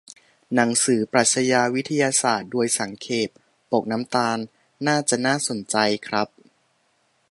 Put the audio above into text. หนังสือ 'ปรัชญาวิทยาศาสตร์โดยสังเขป' ปกน้ำตาล น่าจะน่าสนใจครับ